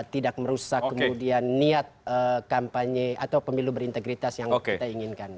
tidak merusak kemudian niat kampanye atau pemilu berintegritas yang kita inginkan